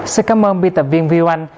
xin cảm ơn biên tập viên viu anh